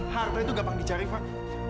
harta itu gampang dicari pak